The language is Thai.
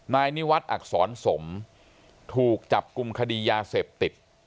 นายนิวัตรอักษรสมถูกจับกลุ่มคดียาเสพติด